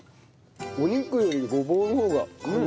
お肉よりごぼうの方が感じる。